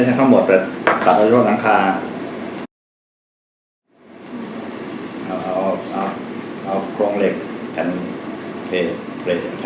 โดยรับทราบพวกธุรกิจ